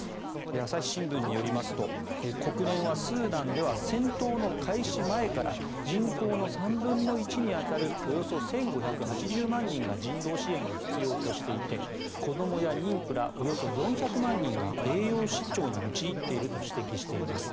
朝日新聞によりますと国連はスーダンでは戦闘の開始前から人口の３分の１に当たるおよそ１５８０万人が人道支援を必要としていて子どもや妊婦らおよそ４００万人が栄養失調に陥っていると指摘しています。